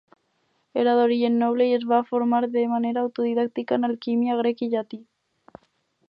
Era d'origen noble i es va formar de manera autodidàctica en alquímia, grec i llatí.